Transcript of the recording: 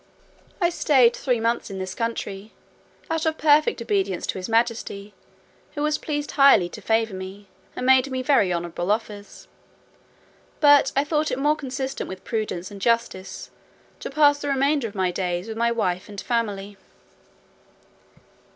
I staid three months in this country, out of perfect obedience to his majesty; who was pleased highly to favour me, and made me very honourable offers. But I thought it more consistent with prudence and justice to pass the remainder of my days with my wife and family.